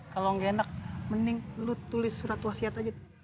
kalau nggak enak mending lu tulis surat wasiat aja